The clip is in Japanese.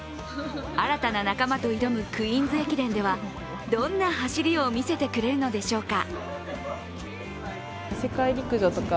新たな仲間と挑むクイーンズ駅伝ではどんな走りを見せてくれるのでしょうか。